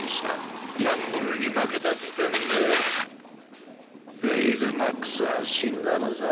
ギャンブルに負けた時点でレイズ・マックスは死んだのさ。